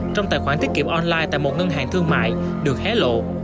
trong tài khoản tiết kiệm online tại một ngân hàng thương mại được hé lộ